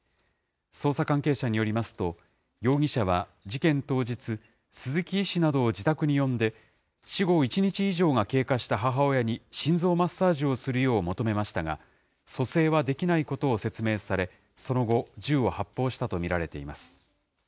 捜査関係者によりますと、容疑者は事件当日、鈴木医師などを自宅に呼んで、死後１日以上が経過した母親に心臓マッサージをするよう求めましたが、蘇生はできないことを説明され、その後、銃を発砲したと見られています。